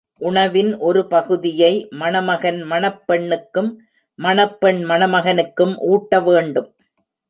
உணவின் ஒரு பகுதியை மணமகன் மணப் பெண்ணுக்கும் மணப்பெண் மணமகனுக்கும் ஊட்ட வேண்டும்.